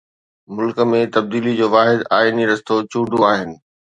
ملڪ ۾ تبديلي جو واحد آئيني رستو چونڊون آهن.